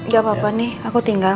gak apa apa nih aku tinggal